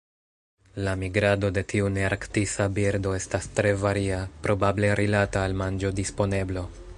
La migrado de tiu nearktisa birdo estas tre varia, probable rilata al manĝodisponeblo.